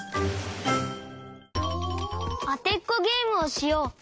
あてっこゲームをしよう。